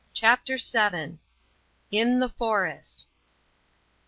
CHAPTER VII. IN THE FOREST.